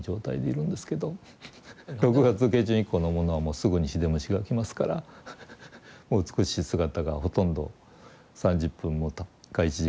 ６月下旬以降のものはもうすぐにシデムシが来ますからもう美しい姿がほとんど３０分か１時間しか保てないぐらいの。